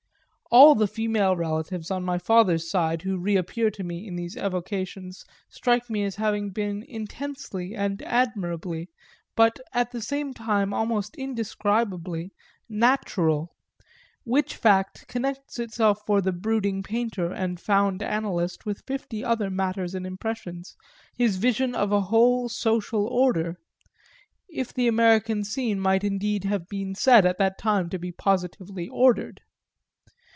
All the female relatives on my father's side who reappear to me in these evocations strike me as having been intensely and admirably, but at the same time almost indescribably, natural; which fact connects itself for the brooding painter and fond analyst with fifty other matters and impressions, his vision of a whole social order if the American scene might indeed have been said at that time to be positively ordered.